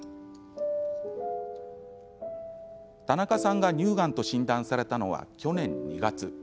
田中さんが乳がんと診断されたのは去年２月。